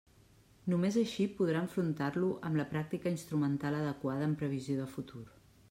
Només així podrà enfrontar-lo amb la pràctica instrumental adequada amb previsió de futur.